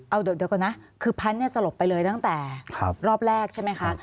เอาเดี๋ยวก่อนนะคือพันธุ์สลบไปเลยตั้งแต่รอบแรกใช่ไหมคะ